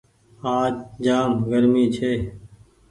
آج جآم گرمي ڇي۔